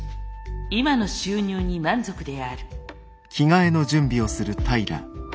今の収入に満足である。